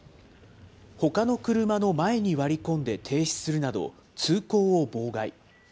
ほかの車の前に割り込んで停止するなど、通行を妨害。